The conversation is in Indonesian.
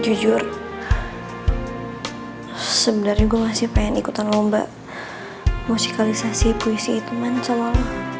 jujur sebenernya gue masih pengen ikutan lomba musikalisasi puisi hitungan sama lo